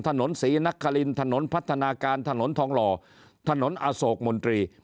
ถนนศรีนครินถนนพัฒนาการถนนทองหล่อถนนอโศกมนตรี